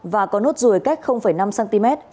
và có nốt rùi cách năm cm